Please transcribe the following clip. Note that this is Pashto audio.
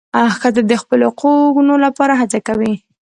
ښځه د خپلو حقونو لپاره هڅه کوي.